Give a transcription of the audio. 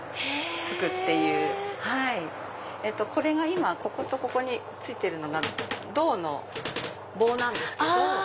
今こことここに付いてるのが銅の棒なんですけど。